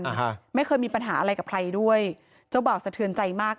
ฮะไม่เคยมีปัญหาอะไรกับใครด้วยเจ้าบ่าวสะเทือนใจมาก